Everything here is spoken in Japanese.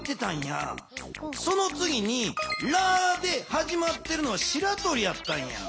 そのつぎに「ラ」ではじまってるのはしらとりやったんや。